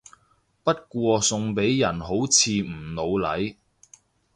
不過送俾人好似唔老嚟